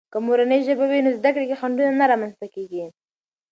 که مورنۍ ژبه وي، نو زده کړې کې خنډونه نه رامنځته کېږي.